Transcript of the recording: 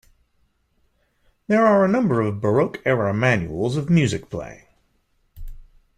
There are a number of Baroque-era manuals of music playing.